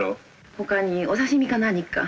他にお刺身か何か。